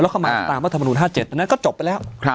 ตามวัฒนธรรมนูญ๕๗อันนั้นก็จบไปแล้ว